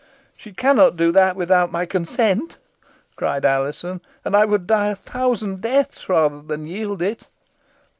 "She cannot do that without my consent," cried Alizon, "and I would die a thousand deaths rather than yield it."